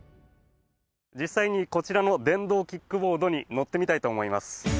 実際にこちらの電動キックボードに乗ってみたいと思います。